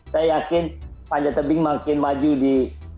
saya yakin panjat tebing makin maju di